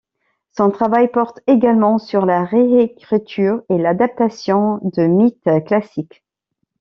Son travail porte également sur la réécriture et l’adaptation de mythes classiques.